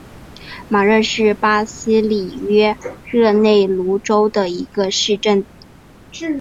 马热是巴西里约热内卢州的一个市镇。